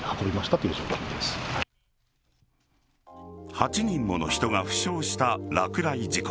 ８人もの人が負傷した落雷事故。